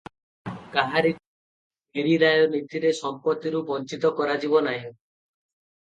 କାହାରିକୁ ମେରୀରାୟ ନୀତିରେ ସମ୍ପତ୍ତିରୁ ବଞ୍ଚିତ କରାଯିବ ନାହିଁ ।